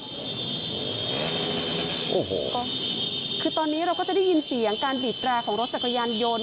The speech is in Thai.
โอ้โหคือตอนนี้เราก็จะได้ยินเสียงการบีบแรร์ของรถจักรยานยนต์